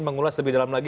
mengulas lebih dalam lagi